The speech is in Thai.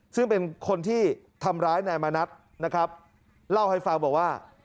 ซึ่งเป็นคนที่ทำร้ายนายมณัฐนะครับเล่าให้ฟังบอกว่า